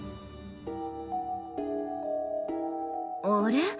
あれ？